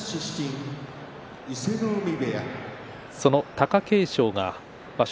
貴景勝が場所